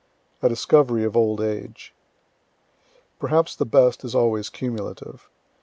A DISCOVERY OF OLD AGE Perhaps the best is always cumulative.